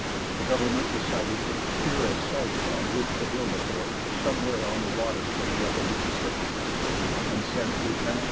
In 1805 the government decided to procure a site on which to build a fort somewhere on the waters of the upper Mississippi, and sent Lieut.